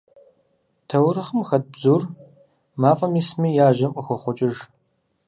Таурыхъым хэт бзур, мафӀэм исми, яжьэм къыхохъукӀыж.